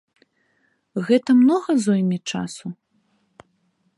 Гэта многа зойме часу?